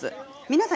皆さん